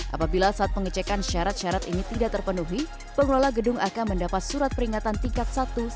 apabila saat pengecekan syarat syarat ini tidak terpenuhi pengelola gedung akan mendapat surat peringatan tingkat satu